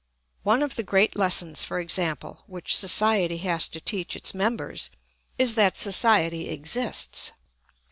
One of the great lessons, for example, which society has to teach its members is that society exists.